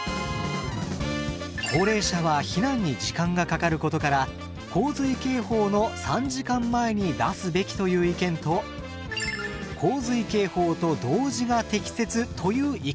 高齢者は避難に時間がかかることから「洪水警報の３時間前に出すべき」という意見と「洪水警報と同時が適切」という意見。